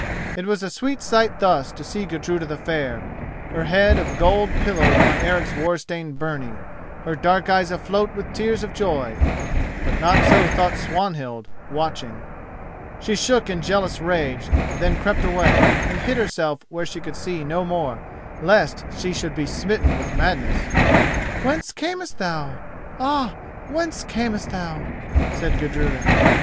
It was a sweet sight thus to see Gudruda the Fair, her head of gold pillowed on Eric's war stained byrnie, her dark eyes afloat with tears of joy; but not so thought Swanhild, watching. She shook in jealous rage, then crept away, and hid herself where she could see no more, lest she should be smitten with madness. "Whence camest thou? ah! whence camest thou?" said Gudruda.